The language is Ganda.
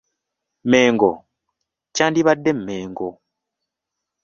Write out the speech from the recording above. Mengo: Kyandibadde Mmengo.